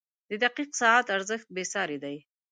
• د دقیق ساعت ارزښت بېساری دی.